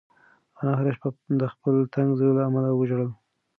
انا هره شپه د خپل تنګ زړه له امله وژړل.